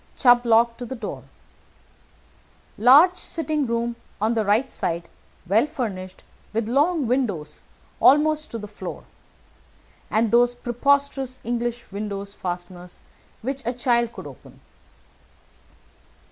Chubb lock to the door. Large sitting room on the right side, well furnished, with long windows almost to the floor, and those preposterous English window fasteners which a child could open.